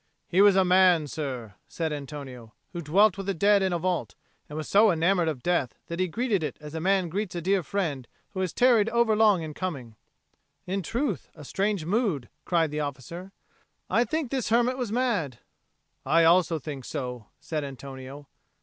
"He was a man, sir," said Antonio, "who dwelt with the dead in a vault, and was so enamoured of death, that he greeted it as a man greets a dear friend who has tarried overlong in coming." "In truth, a strange mood!" cried the officer. "I think this hermit was mad." "I also think so," said Antonio.